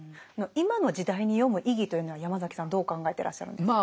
今の時代に読む意義というのはヤマザキさんどう考えてらっしゃるんですか？